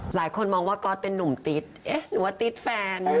หลายคนมองว่าก๊อตเป็นนุ่มติ๊ดเอ๊ะหรือว่าติ๊ดแฟน